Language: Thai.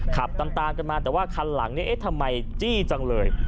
ขับตามกันมาแต่ว่าคันหลังเนี่ยเอ๊ะทำไมจี้จังเลย